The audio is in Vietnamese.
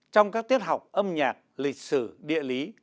trong các tiết học âm nhạc lịch sử địa lý